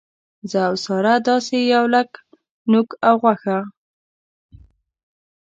زه او ساره داسې یو لک نوک او غوښه.